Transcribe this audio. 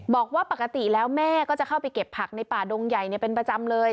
บอกว่าปกติแล้วแม่ก็จะเข้าไปเก็บผักในป่าดงใหญ่เป็นประจำเลย